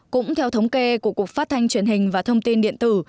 cũng theo thống kê của cục phát thanh truyền hình và thông tin điện tử